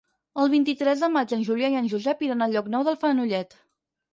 El vint-i-tres de maig en Julià i en Josep iran a Llocnou d'en Fenollet.